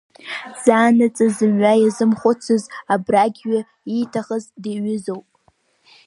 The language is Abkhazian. Заанаҵы зымҩа иазымхәцыз абрагьҩы, иҭахаз диҩызоуп.